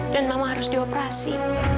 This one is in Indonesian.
dan mama harus dioperasi